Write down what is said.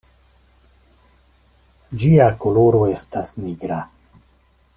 Ĝia koloro estas nigra.